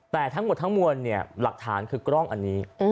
แต่ทั้งหมดทั้งมวลเนี่ยหลักฐานคือกล้องอันนี้